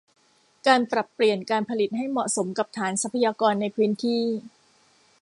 การปรับเปลี่ยนการผลิตให้เหมาะสมกับฐานทรัพยากรในพื้นที่